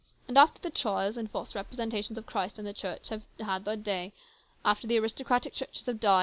And after the trials and false representations of Christ in the Church have had their day, after the aristocratic churches have died THE CONFERENCE.